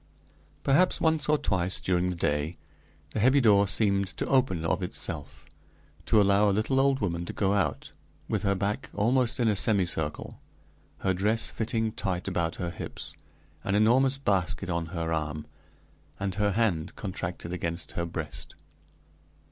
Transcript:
Perhaps, once or twice during the day, the heavy door seemed to open of itself, to allow a little old woman to go out, with her back almost in a semicircle, her dress fitting tight about her hips, an enormous basket on her arm, and her hand contracted against her breast.